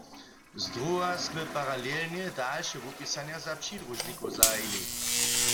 Zdruha smy paralelnje dalše wupisanje za přidružnikow zahajili.